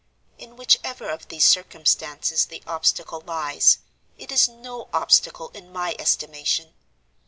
In whichever of these circumstances the obstacle lies, it is no obstacle in my estimation.